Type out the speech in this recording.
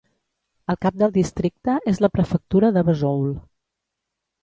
El cap del districte és la prefectura de Vesoul.